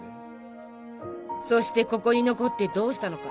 そしてここに残ってどうしたのか？